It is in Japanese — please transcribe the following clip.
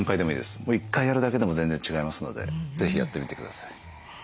もう１回やるだけでも全然違いますので是非やってみてください。